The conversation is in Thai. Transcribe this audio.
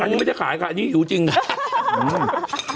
อันนี้ไม่ได้ขายค่ะอันนี้หิวจริงค่ะ